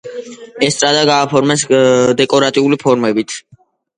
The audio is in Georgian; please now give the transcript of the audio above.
ესტრადა გააფორმეს დეკორატიული ფორმებით.